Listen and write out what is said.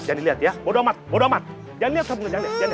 jadi lihat ya bodo amat bodo amat yang